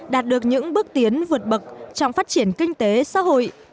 đạt được những bước tiến vượt bậc trong phát triển kinh tế xã hội